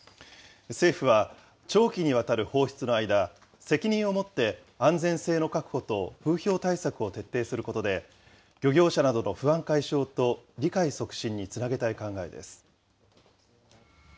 政府は長期にわたる放出の間、責任を持って、安全性の確保と風評対策を徹底することで、漁業者などの不安解消と理解促進につなげたい考えです。